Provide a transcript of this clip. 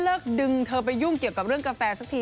ดึงเธอไปยุ่งเกี่ยวกับเรื่องกาแฟสักที